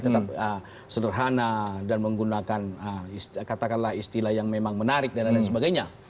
tetap sederhana dan menggunakan katakanlah istilah yang memang menarik dan lain lain sebagainya